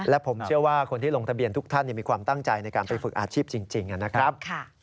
และผมเชื่อว่าคนที่ลงทะเบียนทุกท่านมีความตั้งใจในการไปฝึกอาชีพจริงนะครับ